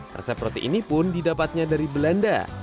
resep roti ini pun didapatnya dari belanda